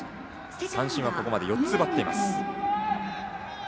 三振はここまで４つ奪っています。